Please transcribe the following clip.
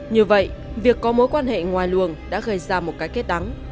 như vậy việc có mối quan hệ ngoài luồng đã gây ra một cái kết đắng